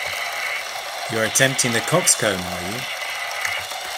You are attempting the coxcomb, are you?